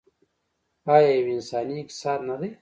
آیا یو انساني اقتصاد نه دی؟